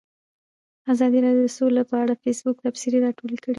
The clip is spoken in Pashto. ازادي راډیو د سوله په اړه د فیسبوک تبصرې راټولې کړي.